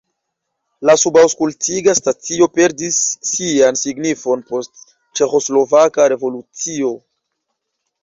La subaŭskultiga stacio perdis sian signifon post ĉeĥoslovaka revolucio.